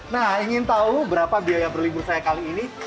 nah ingin tahu berapa biaya berlibur saya kali ini